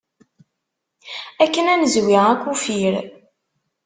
Akken ad nezwi akufir.